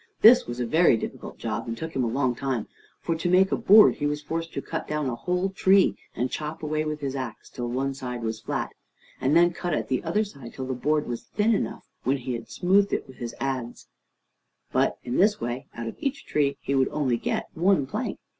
This was a very difficult job, and took him a long time; for, to make a board, he was forced to cut down a whole tree, and chop away with his axe till one side was flat, and then cut at the other side till the board was thin enough, when he smoothed it with his adze. But in this way, out of each tree he would only get one plank.